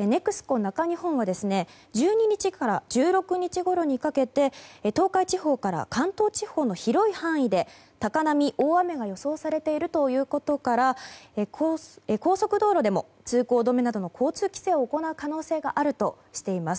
ＮＥＸＣＯ中日本は１２日から１６日ごろにかけて東海地方から関東地方の広い範囲で高波、大雨が予想されているということから高速道路でも通行止めなどの交通規制を行う可能性があるとしています。